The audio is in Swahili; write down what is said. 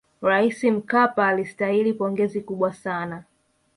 raisi mkapa alistahili pongezi kubwa sana